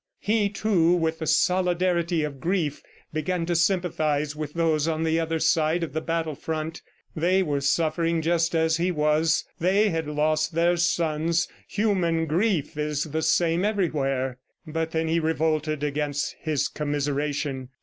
..." He, too, with the solidarity of grief, began to sympathize with those on the other side of the battle front. They were suffering just as he was; they had lost their sons. Human grief is the same everywhere. But then he revolted against his commiseration.